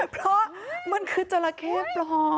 เพราะมันคือเจ้าหน้าที่ปลอม